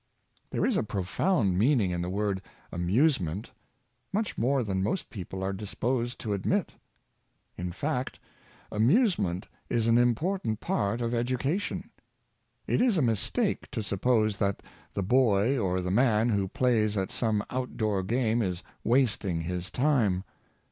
There is a profound meaning in the word " amuse Recreation, 29 ment;" much more than most people are disposed to admit. In fact, amusement is an important part of education. It is a mistake to suppose that the boy or the man who plays at some outdoor game is wasting his time.